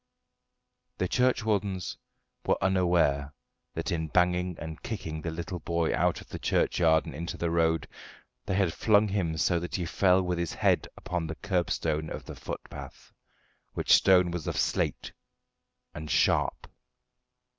The churchwardens were unaware that in banging and kicking the little boy out of the churchyard and into the road they had flung him so that he fell with his head upon the curbstone of the footpath, which stone was of slate, and sharp.